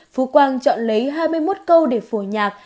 phú quang chọn lấy hai mươi một câu để phổ nhạc